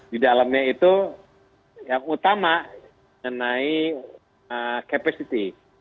di dalamnya itu yang utama mengenai capacity